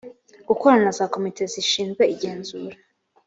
gukorana na za komite zishinzwe igenzura